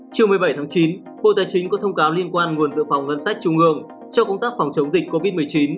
chiều một mươi bảy tháng chín bộ tài chính có thông cáo liên quan nguồn dự phòng ngân sách trung ương cho công tác phòng chống dịch covid một mươi chín